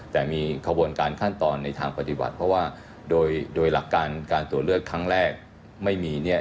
แต่มีขบวนการขั้นตอนในทางปฏิบัติเพราะว่าโดยหลักการการตรวจเลือกครั้งแรกไม่มีเนี่ย